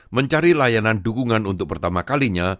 mencari layanan dukungan untuk pertama kalinya